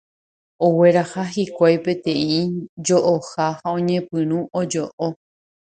Ogueraha hikuái peteĩ jo'oha ha oñepyrũ ojo'o.